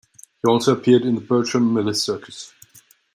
He also appeared in the Bertram Mills Circus.